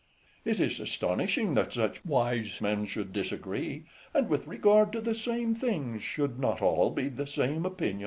It is astonishing that such wise men should disagree, and, with regard to the same things, should not all be of the same opinion.